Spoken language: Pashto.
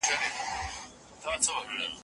هيڅ مور او پلار نه غواړي چي لور يې خفه سي.